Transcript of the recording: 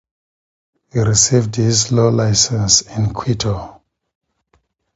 He received his law license in Quito.